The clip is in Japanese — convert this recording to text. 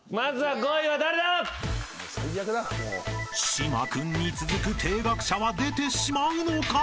［島君に続く停学者は出てしまうのか？］